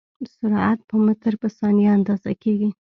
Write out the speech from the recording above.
سرعت په متر په ثانیه اندازه کېږي.